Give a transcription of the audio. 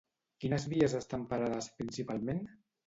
Quines vies estan parades, principalment?